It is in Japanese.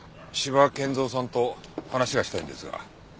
斯波健三さんと話がしたいんですが。